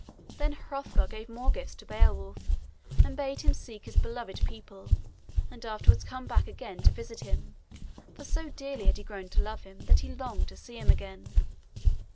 Then Hrothgar gave more gifts to Beowulf and bade him seek his beloved people and afterwards come back again to visit him, for so dearly had he grown to love him that he longed to see him again.